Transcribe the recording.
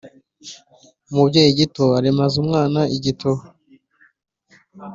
Umubyeyi gito aremaza umwana igituba.